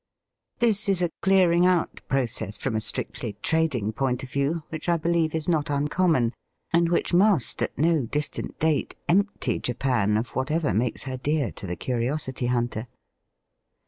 This is a clearing out process from a strictly trading point of view, which I beheve is not uncommon, and which must at no distant date empty Japan of whatever makes her dear to the curiosity hunter.